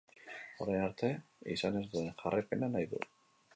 Orain arte izan ez duen jarraipena nahi du.